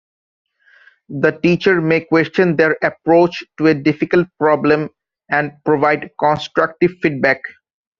The teacher may question their approach to a difficult problem and provide constructive feedback.